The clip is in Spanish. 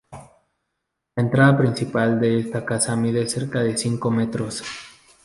La entrada principal de la casa mide cerca de cinco metros.